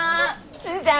スズちゃん